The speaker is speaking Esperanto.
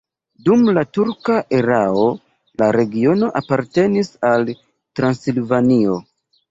Dum la turka erao la regiono apartenis al Transilvanio.